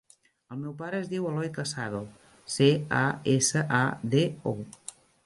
El meu pare es diu Eloy Casado: ce, a, essa, a, de, o.